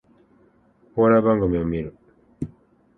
お笑い番組を観る